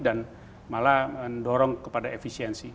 dan malah mendorong kepada efisiensi